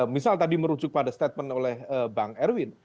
misal tadi merujuk pada statement oleh bang erwin